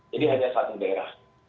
jadi hanya satu daerah